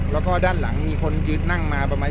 แล้วก็ด้านหลังมีคนยืนนั่งมา